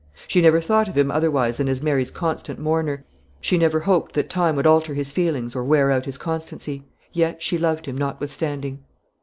She never thought of him otherwise than as Mary's constant mourner; she never hoped that time would alter his feelings or wear out his constancy; yet she loved him, notwithstanding.